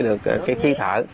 để có cái khí thở